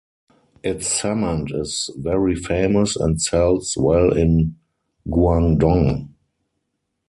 Its cement is very famous and sells well in Guangdong.